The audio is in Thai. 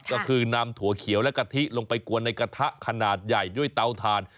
ก็คือนำถั่วเขียวและกะทิลงไปกวนในกระทะขนาดใหญ่ด้วยเตาถ่าน